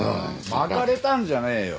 まかれたんじゃねえよ。